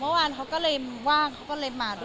เมื่อวานเขาก็เลยว่างเขาก็เลยมาด้วย